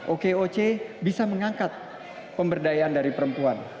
okoc bisa mengangkat pemberdayaan dari perempuan